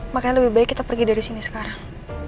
makanya lebih baik kita pergi dari sini sekarang